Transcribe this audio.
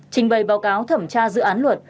trình bày báo cáo thẩm tra dự án luật